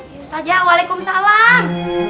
ya ustazah waalaikumsalam